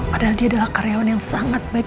padahal dia adalah karyawan yang sangat baik